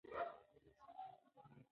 ایا په راډیو کې د موسیقۍ کوم پروګرام شته؟